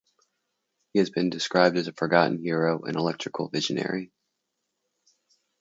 He has been described as a forgotten hero and electrical visionary.